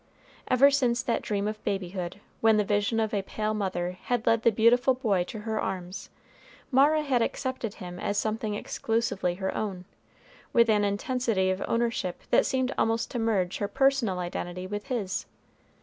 Ever since that dream of babyhood, when the vision of a pale mother had led the beautiful boy to her arms, Mara had accepted him as something exclusively her own, with an intensity of ownership that seemed almost to merge her personal identity with his.